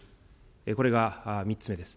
これが３つ目です。